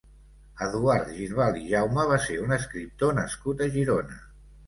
Eduard Girbal i Jaume va ser un escriptor nascut a Girona.